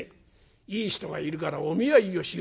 いい人がいるからお見合いをしよう』ってんだ。